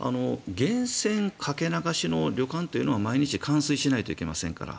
源泉かけ流しの旅館というのは毎日換水しないといけませんから。